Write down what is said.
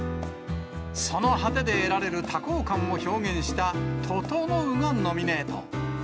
その果てで得られる多幸感を表現した、ととのうがノミネート。